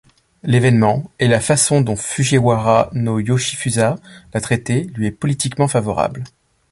L'événement et la façon dont Fujiwara no Yoshifusa l'a traité lui est politiquement favorable.